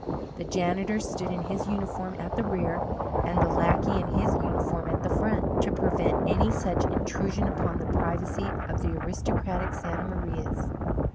The janitor stood in his uniform at the rear, and the lackey in his uniform at the front, to prevent any such intrusion upon the privacy of the aristocratic Santa Marias.